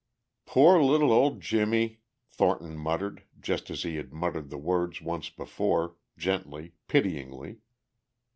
"Poor little old Jimmie," Thornton muttered just as he had muttered the words once before, gently, pityingly.